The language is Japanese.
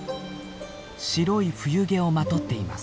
白い冬毛をまとっています。